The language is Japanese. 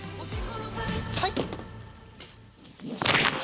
はい！